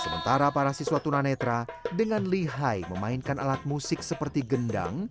sementara para siswa tunanetra dengan lihai memainkan alat musik seperti gendang